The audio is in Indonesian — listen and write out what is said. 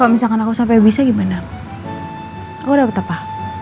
kalau misalkan aku sampai bisa gimana aku dapat apa